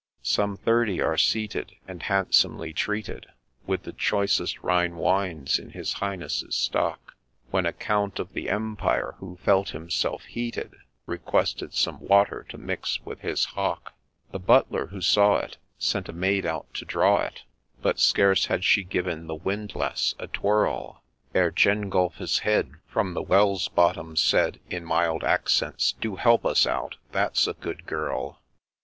Some thirty are seated, and handsomely treated With the choicest Rhine wines in his Highness's stock ; When a Count of the Empire, who felt himself heated, Requested some water to mix with his Hock. The Butler, who saw it, sent a maid out to draw it, But scarce had she given the windlass a twirl, Ere Gengulphus's head, from the well's bottom, said In mild accents, ' Do help us out, that 's a good girl